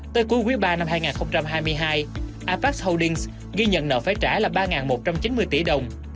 tới cuối quý ba năm hai nghìn hai mươi hai apac holdings ghi nhận nợ phải trả là ba một trăm chín mươi tỷ đồng